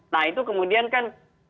nah itu kemudian kan